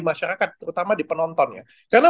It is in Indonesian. masyarakat terutama di penontonnya karena